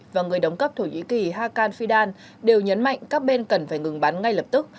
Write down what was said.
và người đóng cấp thổ nhĩ kỳ hakan fidan đều nhấn mạnh các bên cần phải ngừng bắn ngay lập tức